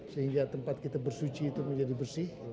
sehingga tempat kita bersuci itu menjadi bersih